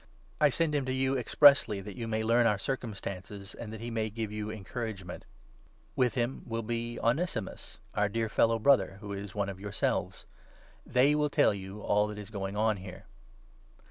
I send him to you expressly that you may learn our circumstances, and that he may give you encouragement. With him will be Onesimus, 382 COLOSSIANS, 4. our dear faithful Brother, who is one of yourselves. They will tell you all that is going on here.